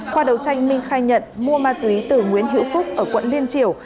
khoa đậu tranh minh khai nhận mua ma túy từ nguyễn hữu phúc ở quận liên triều